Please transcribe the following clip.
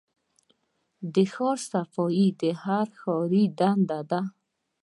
د ښار صفايي د هر ښاري دنده ده.